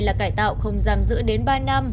là cải tạo không giam giữ đến ba năm